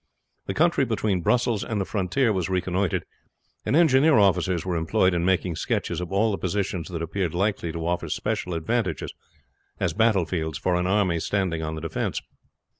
The country between Brussels and the frontier was reconnoitered, and engineer officers were employed in making sketches of all the positions that appeared likely to offer special advantages as battlefields for an army standing on the defense.